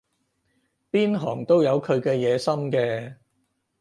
邊行都有佢嘅野心嘅